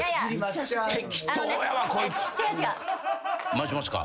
回しますか。